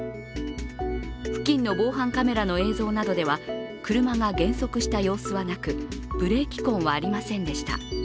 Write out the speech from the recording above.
付近の防犯カメラの映像などでは車が減速した様子はなく、ブレーキ痕はありませんでした。